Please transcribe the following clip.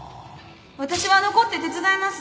私は残って手伝います！